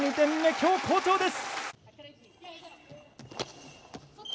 今日、好調です！